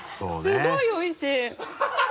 すごいおいしい！